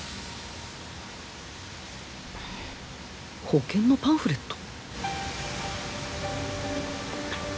保険のパンフレット？